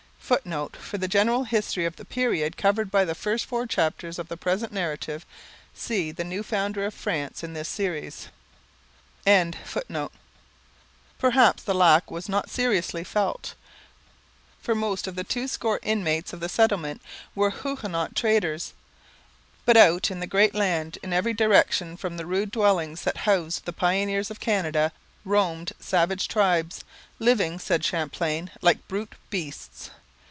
[Footnote: For the general history of the period covered by the first four chapters of the present narrative, see 'The Founder of New France' in this Series.] Perhaps the lack was not seriously felt, for most of the twoscore inmates of the settlement were Huguenot traders. But out in the great land, in every direction from the rude dwellings that housed the pioneers of Canada, roamed savage tribes, living, said Champlain, 'like brute beasts.'